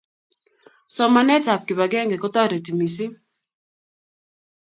somanetab kibagenge ko toreti mising